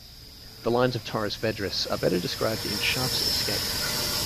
The lines of Torres Vedras are better described in "Sharpe's Escape".